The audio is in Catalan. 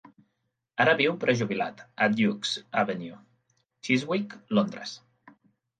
Ara viu prejubilat a Duke's Avenue, Chiswick, Londres.